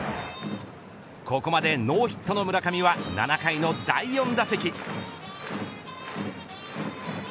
ここまでノーヒットの村上は７回の第４打席。